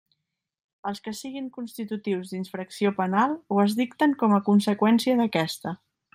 Els que siguen constitutius d'infracció penal o es dicten com a conseqüència d'aquesta.